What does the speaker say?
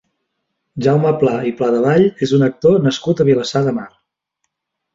Jaume Pla i Pladevall és un actor nascut a Vilassar de Mar.